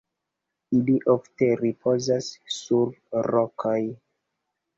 Ili ofte ripozas sur rokoj.